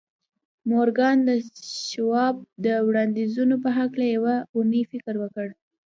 مورګان د شواب د وړاندیزونو په هکله یوه اونۍ فکر وکړ